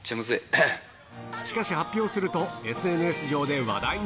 しかし発表するとＳＮＳ上で話題に。